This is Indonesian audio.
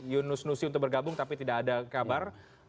yunus nusi untuk bergabung tapi tidak ada kabar